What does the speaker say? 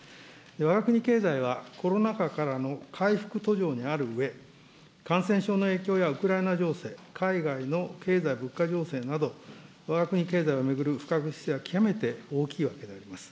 わが国経済はコロナ禍からの回復途上にあるうえ、感染症の影響やウクライナ情勢、海外の経済物価情勢など、わが国経済を巡る不確実性は極めて大きいわけであります。